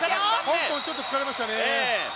香港ちょっと疲れましたね。